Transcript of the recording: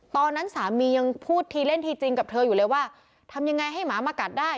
ตอนนั้นสามียังพูดทีเล่นทีจริงกับเธออยู่เลยว่าทำยังไงให้หมามากัดได้